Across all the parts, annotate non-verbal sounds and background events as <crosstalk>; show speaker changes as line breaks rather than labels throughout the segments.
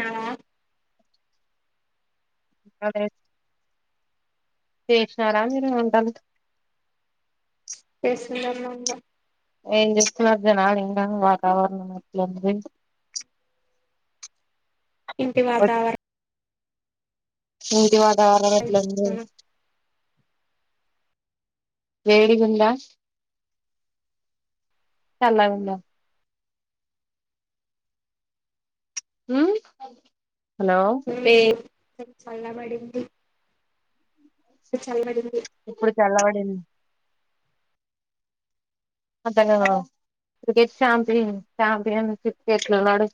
ఆ
పిల్వ లేద్ చేశినారా మీరు వంటలు
చేసున్నార్ మ అమ్మ
ఏం ఎస్తున్నారుర్జనాలు ఇంకా వాతావరణం ఎట్లుంది
ఇంటి వాతావర
మీ ఇంటి వాతవరణం ఎట్లుంది
వాతావరణం
వేడిగుంద చల్లగుంద ఉమ్ హలో
వేడి నుంచిల్లి చల్లబడింది చల్ల బడింది
ఇప్పుడు చల్లవడింది అంతలగా క్రికెట్ చాంపన్ చాంపయన్ క్రికెట్ ట్లున్నాడు ఆ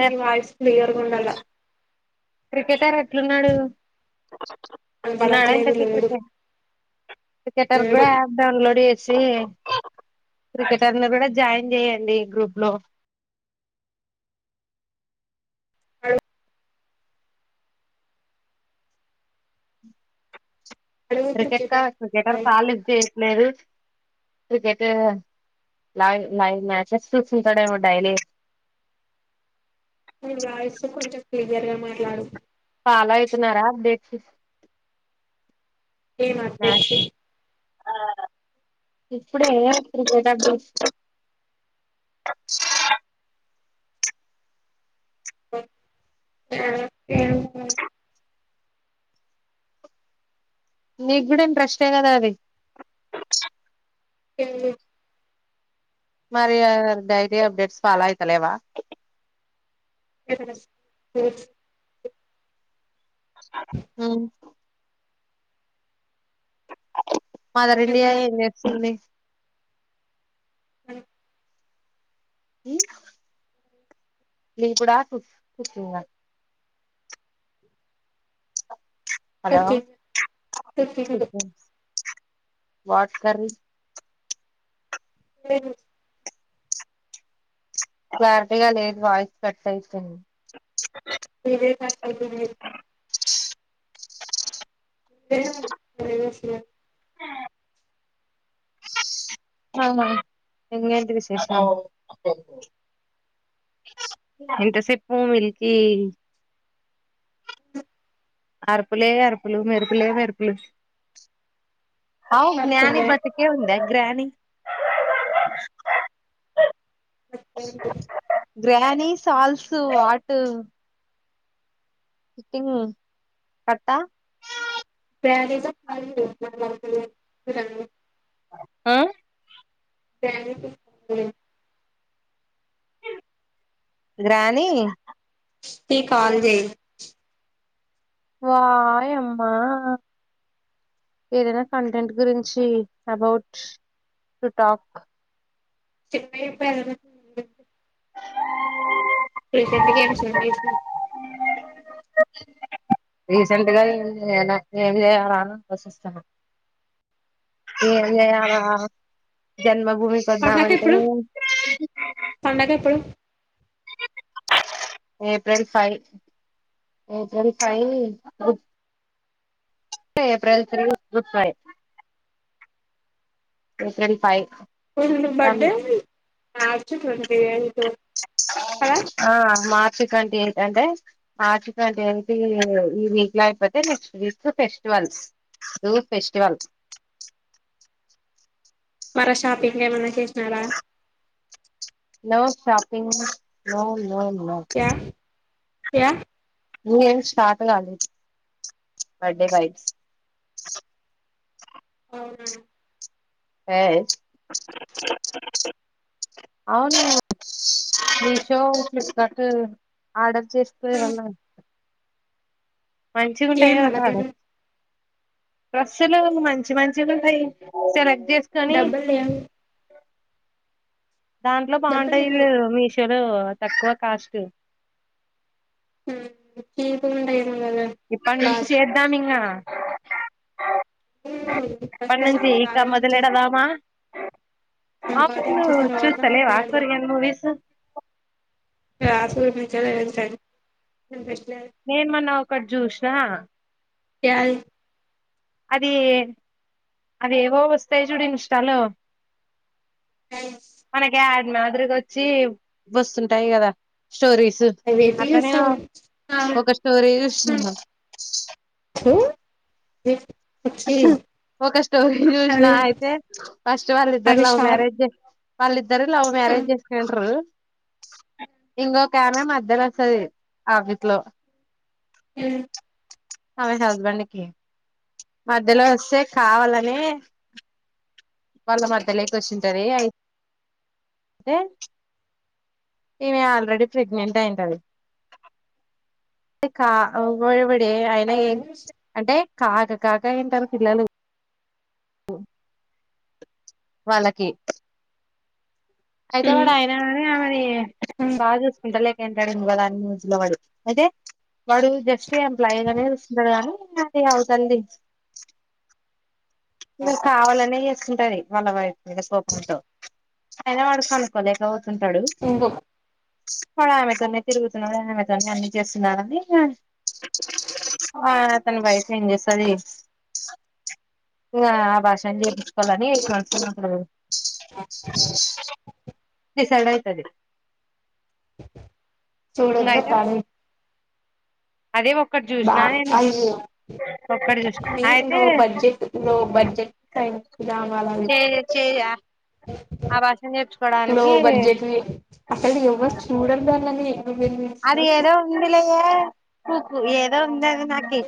మీ వాయిస్ క్లియర్ గుండల
ప్రొఫెసర్ ఎట్లున్నాడు ఉన్నాడ ఇంత
వినపడట్లేదు లేడు
క్రికె క్రికెటర్
లేడు
కూడా యాప్ డౌన్లోడ్ చేసి సి క్రికెటర్ ని కూడా జాయిన్ చేయయండి గ్రూప్ లో ఆ
అ
క్రికెట్ క క్రికెటర్ కాల్ లిఫ్ట్ చేయట్లేదు క్రికెట్ లైవ్ లైవ్ మ్యాచెస్ చూస్తుంటడేమో డైలీ ఆ
నీ వాయిసు కొంచెం క్లియర్ గా మాట్లాడు
ఫాలో అయితున్నారా అప్డేట్స్
ఏమ అప్ డేట్స్
అ ఇప్పుడే క్రికెట్ దు ఆ
ఆ ఎం లేదా
మీడా ఇంట్రెస్ట్ ఎ కదా అది
చె
మరి డైరీ అప్డేట్స్ ఫాలో అయితలేవా
ఎక్కడ
హ మదర్ ఇండియా ఏం చేస్తుంది
అ
అ ఇప్పుడాపు కుతుంగ హలో వాటర్
లేదు
క్లారిటీగా లేదు వాయిస్ కట్ అయితుంది
<unintelligible> ఎంచేస్తున్నావ్
అవున ఇంగెంటి విశేషల్ ఇంత సిపూ మిల్కీ అరుపులే అరుపులు మెరుపులే మెరుపులు అవు జ్ఞాని బతికే ఉంద గ్రాని
పడుకుందా
గ్రానీ సాల్స్ వాటు టి పట్టా
<unintelligible>
ఆ
గ్రాని
గ్రానీ
వస్తె కాల్ జయ్
వాయమ్మా ఏదైనా కంటెంట్ గురించి అబౌట్ టు టాక్
చెప్పేవి చెప్పెగద రీసెంట్గా ఏం పంట ఎస్నావ్
రీసెంట్గా నే ఏం చేయాలన ఆలోచిస్తాన ఏంజేయాల జన్మ
పండగ
భూమికిదమంటే
ఎప్పుడు పండగ ఎప్పుడు
April five April five April three good five యుకెన్ పై
బర్డే మార్చ్ ట్వంటి ఏ
ఆ మార్చ్ ట్వంటి ఏ అంటే మార్చ్ ట్వంటీ ఎయిట్ ఈ వీక్ లో అయిపోతే next week festivals do festival
వర షాపింగ్ ఏమన్నా చేసినారా
no shopping no no no
క్యా క్యా
ఇంగేం స్టార్ట్ కాలేదు బర్డే బయ్
అ
ఏ అవును మీషో ఫ్లిప్కార్ట్ ఆర్డర్ చేసుకో ఏమన్న మంచిగా ఉంటాయి
ఏం
కదా
అలా
ఆడ డ్రస్సులు మంచి మంచిగున్నాయి సెలెక్ట్ చేసుకొని
డబ్బుల్ లేవు
దాంట్లో
డబ్బులు
బాగుంటాయి
లేవు
జుడు మీషోలో తక్కువ కాస్ట్
హు తీకుంటా ఎప్
ఇప్పనుంచి చేదంమింగ
ఫస్ట్
పన్నంచి ఇంగ
సంపాదించు
మొదలెడదామా అవును
సంపాదించిన తర్వాత
చూస్తాలేవ
మాట్లాడదాం
ఆకురియన్ మూవీసు
ఆ చునిపించలేదు ఇంట్రస్ట్
నేనుమన్నా ఒకటి చూసిన
యాలు
అది అవివో వస్తాయి చూడి ఇన్ష్టలో మనకి యాడ్డ్ మాదిరిగా వచ్చి వస్తుంటాయి కదా స్టోరీస్
అవేంటి
అతనే
చూస్తాం హు
ఒక స్టోరీ చూసినా
అవి
అయితే ఫస్ట్ వాళ్ళ ఇద్దరు
అవి
లవ్
షార్ట్
మ్యారేజ్ వాళ్ళిద్దరు లవ్ మ్యారేజ్ చేసుకుండారు ఇంకొకామే మధ్యలో వస్తుంది ఆ వీట్లో ఆమె హస్బెండ్కి మధ్యలో వస్తే కావాలని వాళ్ళ మధ్యలోకి వచ్చింటార అయి అదే ఈమె ఆల్రెడీ ప్రెగ్నెంట్ అయింటంది అ కాబడిబడి అయిన ఏం అంటే కాక కాక అయింటారు పిల్లలు వాళ్ళకి అయితే వాడు అయన కాని ఆమెని బాగా చూసుకుంటా లేక ఎంటాడు కదా అని న్యూస్ లో వాడు అంటే వాడు జస్ట్ ఎంప్లాయస్ అనేది వస్తుంటడు కాగానీ అది అవు తల్లి ఇగ కావాలనే చేసుకుంటది వాళ్ళ వైఫ్ మీద కోపంతో ఐయైన వాడుకోనుకోలేకపోతుంటాడు
ఇంకో
వాడు ఆమెతోనే తిరుగుతున్నాడు ఆమెతోనే అన్ని చేస్తున్నారని ఆ అతను బయట ఏం చేస్తుంది ఆ ఆభాషన్ చేపించుకోవాలని వస్తూ ఉంటాడు నిసడ అవుతుది
చూడొద్దా తాని
అదే ఒక్కటి
అ
చూసినా నేను ఒక్కటి చూసిన అయితే
బడ్జెట్ లో బడ్జెట్ సైలా వాలా
చే చే ఆ భాషను
లో
చేర్చుకోవడానికి
బడ్జెట్ అసలు ఎవ్వ చూడల్దలండి
అది ఏదో ఉందిలేయే కూూకు ఏదో ఉంది అది నా కే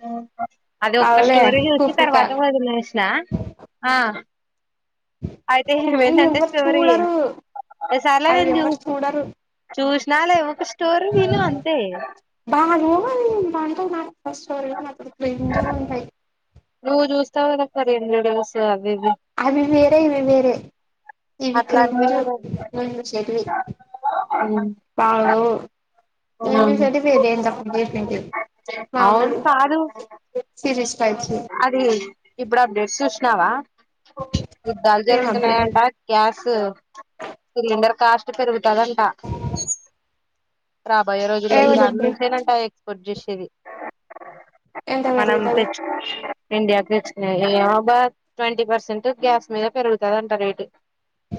అది ఒక్క
అవులే
స్టోరీ చూసి
కుకుకా
తర్వాత కూడా వదిలేసిన ఆ అయితే
అవి
ఏమేంటంటే
ఎవ్వరు
స్టోరీ
చూడరు
సరేలే
అవి
గాని
ఎవ్వరు చూడరు
చూసిన లేే ఒక స్టోరీ విను అంతే
బాను బాంటాయి నాకు ఫస్ట్ అఫ్ ఆల్ అక్కడ దండి ఉంటాయి
నువ్వు చూస్తావు కదా అక్క డైలీ న్యూస్
అవి వేరే ఇవి వేరే ఇవి
అట్లాంటివే
క్రజు
కదా
కొ చెల్లి బాగు చేసింది
అను
మామూలు
కారు
సిరీస్ టైప్స్
అదే ఇప్పుడు అప్పుడేన్స్ యుద్దాలు
ఏం అప్డేట్
జరుగుతున్నాయంట గ్యాస్ సిలిండర్ కాస్ట్ పెరుగుతాదంటా రాబోయే రోజుల్లో
ఏమో
ఇరాన్
చెప్పు
నుంచేనంట ఎక్స్పోర్ట్ చేసేది
ఎంత
మనం
పెరుగుతది
తెచ్చు ఇండియాకి తెచ్చిన ఏమబా ట్వంటీ పర్సెంట్ గ్యాస్ మీద పెరుగుతుంది అంట రేటు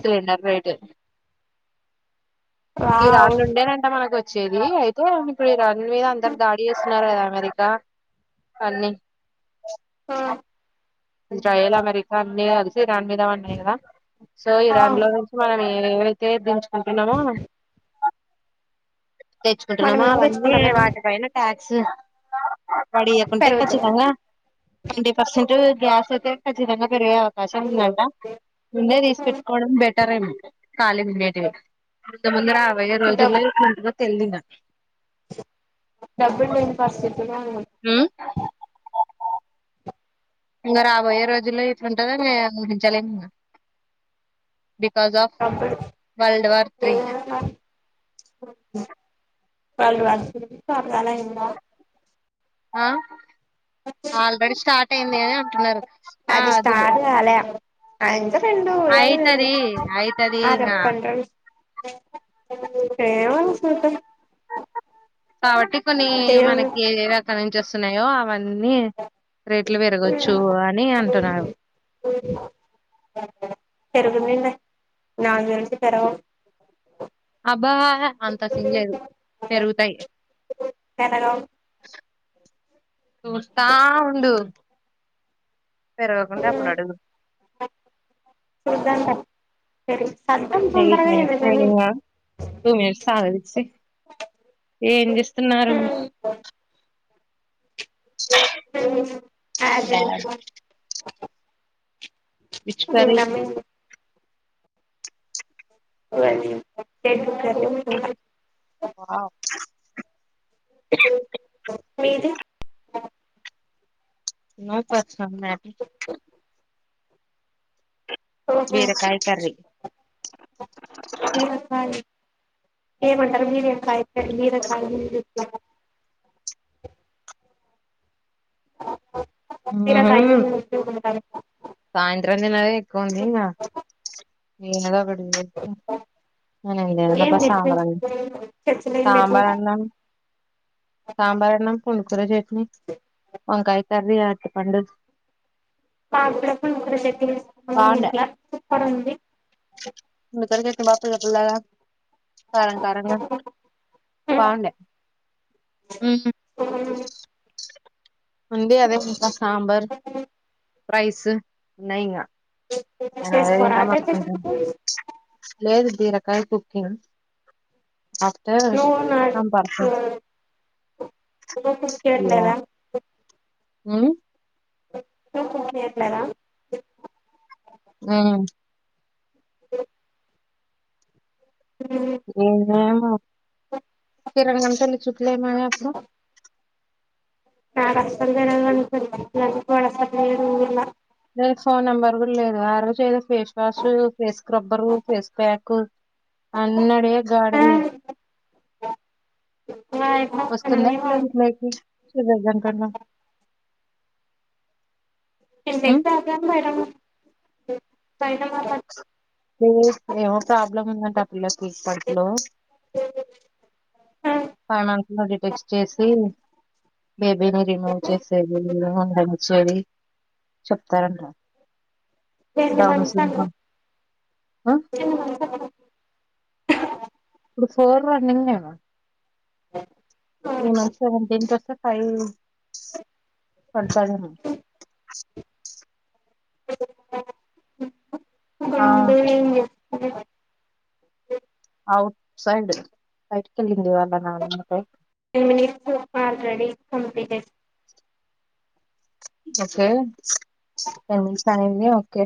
సిలిండర్ రేట్ ఈ
వావ్
రాళ్ళు ఉండేనంట మనకు వచ్చ వచ్చేది అయితే ఇప్పుడు ఇరాన్ మీద అందరు దాడి చేస్తున్నారు కదా అమెరికా అన్నీ
ఆ
ఇజ్రాయల్ అమెరికా అన్ని కలిసి ఇరాన్ మీద ఉన్నాయి కదా సో
అవు
ఇరాన్ లో నుంచి మన మేము ఏవైతే దించుకుంటున్నామో
మనం
తెచ్చుకుంటున్నామా
ఏం
అవన్నీ
తెచ్చుకుంటాలేము
వాటి పైన ట్యాక్స్ పడియకుంటే
పెరుగుతదా
ఖచ్చితంగా ట్వంటీ పర్సెంట్ గ్యాస్ అయితే ఖచ్చితంగా పెరిగే అవకాశం ఉందట ముందే తీసి పెట్టుకోవడం బెటరే ఖాళీ ఉండేటివి కొంతమంద రాబయే రోజుల్లో ఇంటగా తెలింద
డబ్బులుంటడి పస్కెట్
ఇంకా రాబోయే రోజుల్లో ఇతే ఉంటందో అందించలే ఇంకా బికాస్ ఆఫ్
డబ్బులు
వర్ల్డ్ వార్ త్రీ
పలాలంద
ఆ ఆల్రెడీ స్టార్ట్ అయింది అని అంటున్నారు ఆ అది
అంద రెండ ఒడియాదు రెండ
అయితది అయితది ఇంగ
అరబ్ కండ్రలు ఏవ సూట
కాబట్టి కొన్ని
దేవుడు
మనకి ఏ రక నుంచి వస్తున్నాయో అవన్నీ అన్నన్ని రేట్లు పెరగచ్చు అని అంటున్నారు
చెరకుందింట నాలుగులంచి తెరవ
అబ్బాా అంత సిలేదు పెరుగుతాయి
పెరగవు
చూస్తా ఉడు పరగకుంట అప్పుడుడు
సర
ఎయిట్ మనిట్ టూ మట్స్ల ఏం చేస్తున్నారు
అ
డా విచ్చకరే
అది రెడ్ కర్రీ
ఆ
మీది
ను పసంది
ఓహో
బేరకాయ కరీ
లేప్పా ఏ మంటారు మీరేకాయ మీరకాయ బీరకాయని ముద్దు అంటారు
సాయంత్రం తేనదే ఎక్కువ ఉంది ఇకా ఏ ఏదా పెడి
ఏం
అనప్ప సాబార్
పెట్టించుకోలేదు, చర్చలు ఏం పెట్టు
సాబార్న్ సాంబార్ అన్నం పుడుకూర చట్నీ వంకాయ కర్రీ అంత పండు
పాల
బాగుండే
ఇంట్లా సపర్ ఉంది
క వాపుస్ కట్టలాగా కర కారంగా బాగుంట ఉమ్ అం అదే సాబార్ రైస్ ఉన్నాయింగా నేను
చేసుకోరా
అదేదిందా
అట
మాకుంటా లేదు తీరకాయపుగంగ్ అతే
నువ్వు
నమ్ పత
ట్ల <inaudible>
ఉమ్
చేయట్లేదా
హ్మ్
<inaudible>
హ్మ్మ్ ఏమో
<inaudible>
తిరగని తల్లి చూట్లే మడు
నాకసలు తెల్వదు అందుకుసరుంగ
దానికి ఫోన్ నెంబర్ కూడా లేదు ఆరు చే face wash face scrubber face pack అన్నడే
ఆ
గగాడది వస్తు
మనమేమో
నెక్లేట్ మకిజన్నా
ఎతే అగం పైడ పడం <inaudible>
హ్మ్మ్ ఏవో ప్రోబ్లమ్ ఉందంట ఆ పిల్లకి తిరుపతి లో
ఆ
ఫైవ్ మన్స్ లో డిటెక్ట్ చేసి బేబీని రిమూవ్ చేసేది కూడా ఉందంట స్టడీ చెప్తారంట
ఎన్ని
డౌన్
మంత్స్ కంట
సిండ్రోమ్
<inaudible>
ఇప్పుడు ఫోర్ రన్నింగ్ ఏమో
<inaudible> <unintelligible>
త్రీ మంత్ సెవెంటీన్ కి వస్తే ఫైవ్ పడతాదేమో <inaudible> <unintelligible>
కొ <inaudible>
ఆ
<unintelligible> అ <inaudible> <unintelligible>
ఔట్సైడ్ బైటికి వెళ్ళింది వాళ్ళ నాన్నమ్మతో
ten minutes already complete
okay ten minutes అయ్యింది ఓకే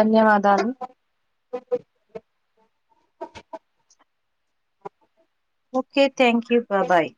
ధన్యవాదాలు
అ <inaudible> <unintelligible>
ఓకే థ్యాంక్ యూ బా బాయ్